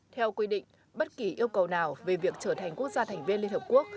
theo quy định bất kỳ yêu cầu nào về việc trở thành quốc gia thành viên liên hợp quốc